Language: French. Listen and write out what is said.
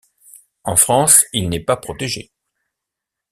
En France il n'est pas protégé.